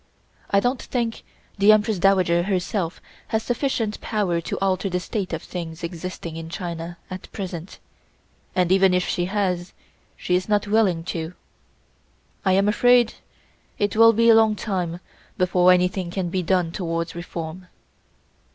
I don't think the Empress Dowager herself has sufficient power to alter the state of things existing in China at present, and even if she has, she is not willing to. I am afraid it will be a long time before anything can be done towards reform."